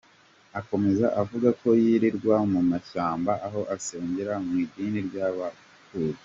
Akomeza avuga ko yirirwa mu mashyamba aho asengera mu idini ry’Abakusi.